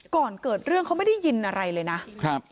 ก่อนเกิดเรื่องเขาไม่ได้ยินอะไรเลยนะครับ